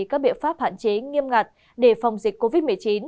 các biện pháp hạn chế nghiêm ngặt để phòng dịch covid một mươi chín